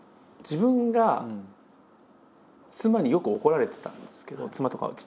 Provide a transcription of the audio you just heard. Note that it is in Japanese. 自分が妻によく怒られてたんですけど妻とか。